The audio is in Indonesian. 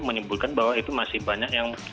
menimbulkan bahwa itu masih banyak yang